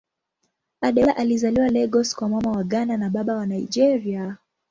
Adeola alizaliwa Lagos kwa Mama wa Ghana na Baba wa Nigeria.